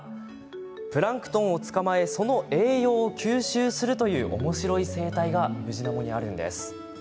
プランクトンを捕まえその栄養を吸収するというおもしろい生態があるんです。